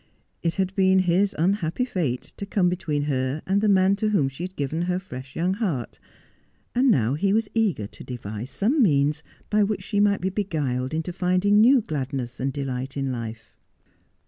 It had been his unhappy fate to come be Who can Minister to a Mind Diseased t 195 tween her and the man to whom she had given her fresh young heart, and he was now eager to devise some means by which she might be beguiled into finding new gladness and delight in life.